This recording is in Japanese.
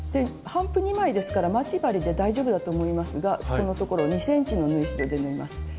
帆布２枚ですから待ち針で大丈夫だと思いますがそこのところ２ｃｍの縫い代で縫います。